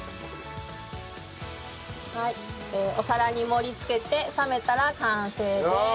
はいお皿に盛りつけて冷めたら完成です。